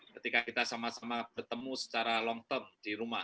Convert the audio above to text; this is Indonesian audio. ketika kita sama sama bertemu secara long term di rumah